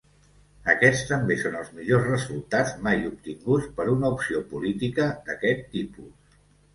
Aquests també són els millors resultats mai obtinguts per una opció política d'aquest tipus.